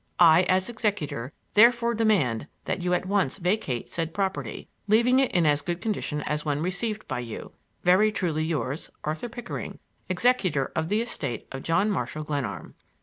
I, as executor, therefore demand that you at once vacate said property, leaving it in as good condition as when received by you. Very truly yours, Arthur Pickering, Executor of the Estate of John Marshall Glenarm.